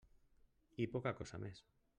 I poca cosa més.